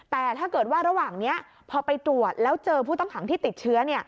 แต่ถ้าเกิดว่าระหว่างนี้พอไปตรวจแล้วเจอผู้ต้องขังที่ติดเชื้อ